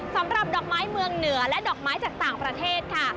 สำหรับดอกไม้เมืองเหนือและดอกไม้จากต่างประเทศค่ะ